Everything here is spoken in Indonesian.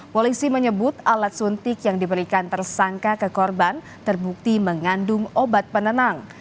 polisi menyebut alat suntik yang diberikan tersangka ke korban terbukti mengandung obat penenang